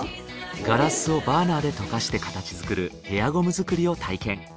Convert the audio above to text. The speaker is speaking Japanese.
ガラスをバーナーで溶かして形作るヘアゴム作りを体験。